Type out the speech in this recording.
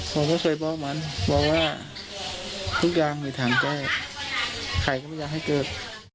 บอกว่าช่วยบอกมันบอกว่าทุกอย่างมีทางแก้ใครก็ไม่อยากให้เกิด